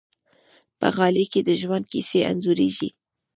په غالۍ کې د ژوند کیسې انځورېږي.